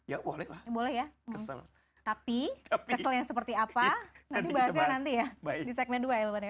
ya boleh lah